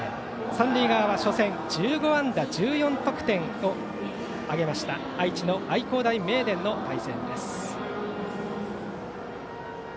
三塁側は初戦１５安打１４得点を挙げました愛知の愛工大名電の対戦です。